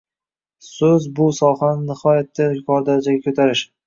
«So‘z bu sohani nihoyatda yuqori darajaga ko‘tarish